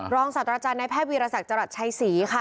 ศาสตราจารย์ในแพทย์วีรศักดิ์จรัสชัยศรีค่ะ